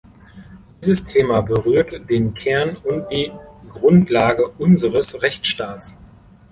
Dieses Thema berührt den Kern und die Grundlage unseres Rechtsstaats.